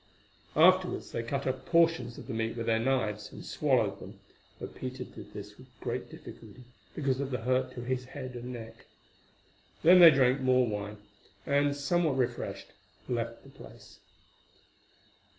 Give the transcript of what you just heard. Afterwards they cut off portions of the meat with their knives, and swallowed them, though Peter did this with great difficulty because of the hurt to his head and neck. Then they drank more wine, and, somewhat refreshed, left the place.